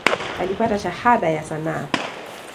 Alipata Shahada ya sanaa.